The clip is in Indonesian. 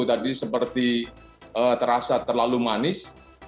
tadi seperti terasa terlalu manis